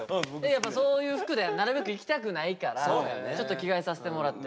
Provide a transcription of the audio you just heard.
やっぱそういう服ではなるべく行きたくないからちょっと着替えさせてもらって。